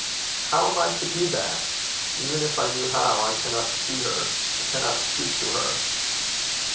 "How am I to do that? Even if I knew how, I cannot see her, I cannot speak to her."